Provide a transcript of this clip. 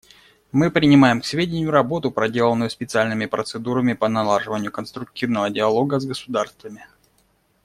Мы принимаем к сведению работу, проделанную специальными процедурами по налаживанию конструктивного диалога с государствами.